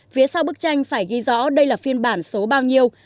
phía sau bức tranh phải ghi rõ đây là phiên bản số bao nhiêu